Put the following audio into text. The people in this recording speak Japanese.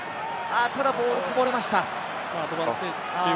ただボールがこぼれました。